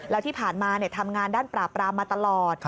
แล้วที่ผ่านมาทำงานด้านปราบรามมาตลอด